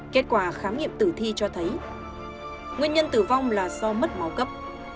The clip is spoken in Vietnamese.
kết quả khám nghiệm tử thi cho thấy nguyên nhân tử vong là do mất máu cấp